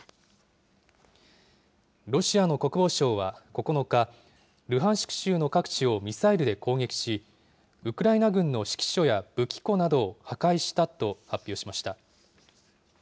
ロシアの国防省は９日、ルハンシク州の各地をミサイルで攻撃し、ウクライナ軍の指揮所や武器庫などを破壊したと発表しました。